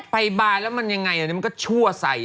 ไฟบาทแล้วยังไงมันก็ชั่วใส่